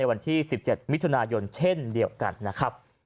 วันที่๑๗มิถุนายนเช่นเดียวกันนะครับ